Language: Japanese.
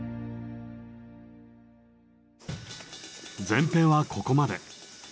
前編はここまで。